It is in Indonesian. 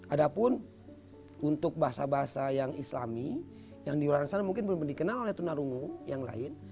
ada pun untuk bahasa bahasa yang islami yang di luar sana mungkin belum dikenal oleh tunarungu yang lain